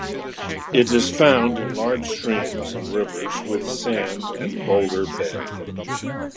It is found in large streams and rivers with sand and boulder bed.